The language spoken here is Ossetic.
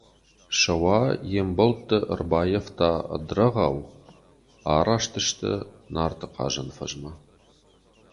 Сӕуа йе ʼмбӕлтты ӕрбаййӕфта ӕд рӕгъау, араст сты Нарты Хъазӕн фӕзмӕ.